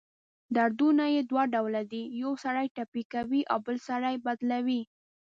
دردونه دوه ډؤله دی: یؤ سړی ټپي کوي اؤ بل سړی بدلؤي.